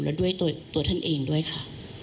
แล้วด้วยตัวท่านเองด้วยค่ะ